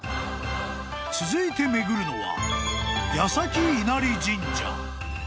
［続いて巡るのは矢先稲荷神社］